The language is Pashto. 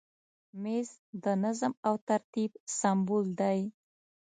مېز د نظم او ترتیب سمبول دی.